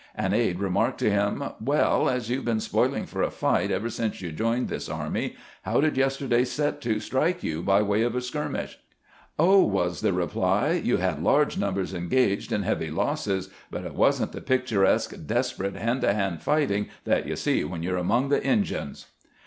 An aide remarked to him, " WeU, as you 've been spoiling for a fight ever since you joined this army, how did yesterday's set to strike you by way of a skirmish?" "Oh," was the reply, "you had large numbers engaged, and heavy losses ; but it was n't the GBANT'S THIRD DAY IN THE WILDEENESS 77 picturesque, desperate hand to liand. fighting that you see wlien you 're among the Injuns."